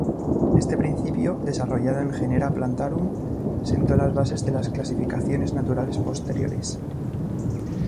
Este principio, desarrollado en "Genera plantarum", sentó las bases de las clasificaciones naturales posteriores.